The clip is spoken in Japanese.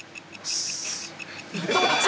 ［どっち！？］